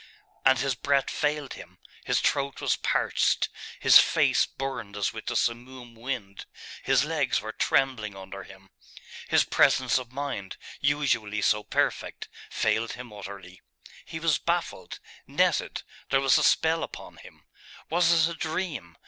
And his breath failed him, his throat was parched, his face burned as with the simoom wind, his legs were trembling under him. His presence of mind, usually so perfect, failed him utterly. He was baffled, netted; there was a spell upon him. Was it a dream?